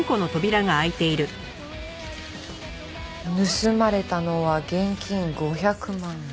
盗まれたのは現金５００万円。